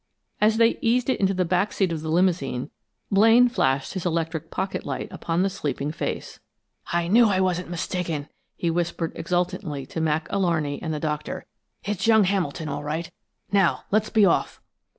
As they eased it into the back seat of the limousine, Blaine flashed his electric pocket light upon the sleeping face. "I knew I wasn't mistaken!" he whispered exultantly to Mac Alarney and the Doctor. "It's young Hamilton, all right. Now, let's be off!"